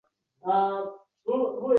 Bu erda xatto stul ham topilmaydi